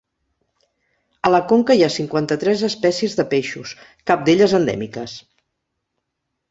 A la conca hi ha cinquanta-tres espècies de peixos, cap d'elles endèmiques.